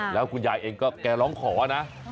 แล้วคุณยายเองก็แกร้องขอนะ